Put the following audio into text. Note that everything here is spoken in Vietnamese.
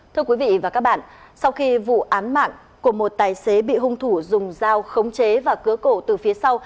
thưa quý vị và các bạn sau khi vụ án mạng của một tài xế bị hung thủ dùng dao khống chế và cứa cổ từ phía sau